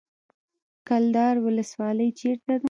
کلدار ولسوالۍ چیرته ده؟